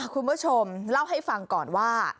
คุณผู้ชมเล่าให้ฟังก่อนว่า